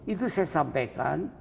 itu saya sampaikan